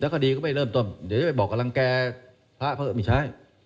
คดีก็ไม่เริ่มต้นเดี๋ยวจะไปบอกกำลังแก่พระเพราะไม่ใช่